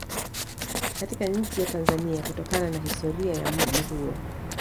Katika nchi ya Tanzania kutokana na historia ya mji huo